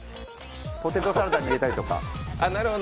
ポテトサラダに入れたりとか。